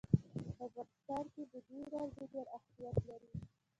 په افغانستان کې بادي انرژي ډېر اهمیت لري.